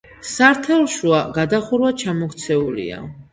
სართულშუა გადახურვა ჩამოქცეულია.